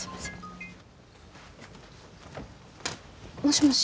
もしもし？